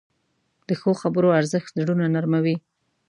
د ښو خبرو ارزښت زړونه نرموې.